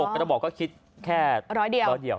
๖กระบอกก็คิดแค่๑๐๐เดียว